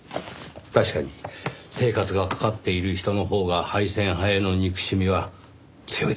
確かに生活がかかっている人のほうが廃線派への憎しみは強いでしょうねぇ。